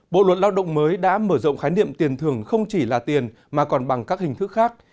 bộ luật lao động mới đã mở rộng khái niệm tiền thưởng không chỉ là tiền mà còn bằng các hình thức khác